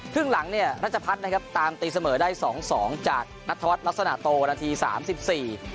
ครึ่งหลังเนี่ยรัชพัฒน์นะครับตามตีเสมอได้สองสองจากนัทวัฒนลักษณะโตนาทีสามสิบสี่